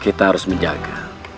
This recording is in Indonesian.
kita harus menjaga